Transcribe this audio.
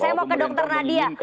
saya mau ke dr nadia